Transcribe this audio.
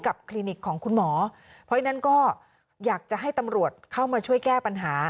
คลินิกของคุณหมอเพราะฉะนั้นก็อยากจะให้ตำรวจเข้ามาช่วยแก้ปัญหา